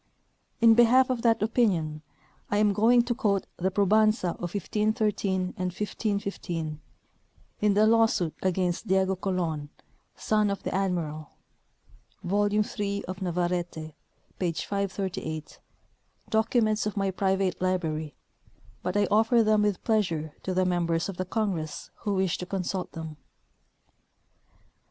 In behalf of that opinion I am going to quote the pro banza of 1513 and 1515, in the lawsuit against Diego Colon, son of the admiral (volume 3 of Navarrete, page 538), documents of my private library ; but I offer them with pleasure to the mem bers of the congress who wish to consult them.